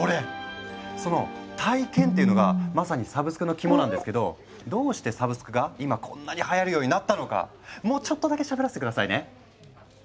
その体験っていうのがまさにサブスクの肝なんですけどどうしてサブスクが今こんなにはやるようになったのかもうちょっとだけしゃべらせて下さいね。